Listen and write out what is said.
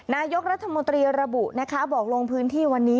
นายกรัฐมนตรีระบุนะคะบอกลงพื้นที่วันนี้